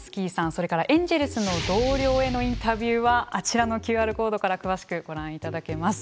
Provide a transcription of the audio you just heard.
それからエンジェルスの同僚へのインタビューはあちらのＱＲコードから詳しくご覧いただけます。